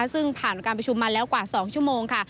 ซึ่งผ่านการมีการประชุมมาละ๒ชั่วโมง